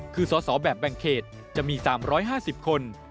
คือสอสอแบบแบ่งเขตจะมี๓๕๐คน